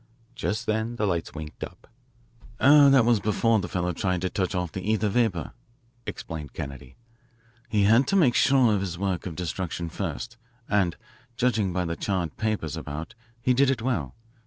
Just then the lights winked up. "Oh, that was before the fellow tried to touch off the ether vapour," explained Kennedy. "He had to make sure of his work of destruction first and, judging by the charred papers about, he did it well.